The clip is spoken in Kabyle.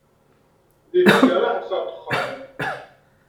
Deg tgara, ḥebseɣ ddexxan.